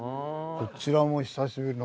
こちらも久しぶりの。